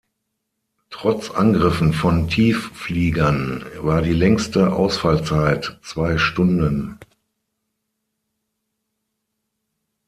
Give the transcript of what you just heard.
Trotz Angriffen von Tieffliegern war die längste Ausfallzeit zwei Stunden.